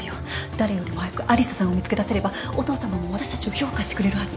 誰よりも早く有沙さんを見つけ出せればお父さまも私たちを評価してくれるはず。